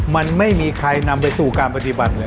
มันไม่มีใครนำไปสู่การปฏิบัติเลย